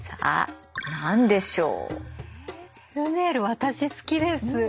私好きです。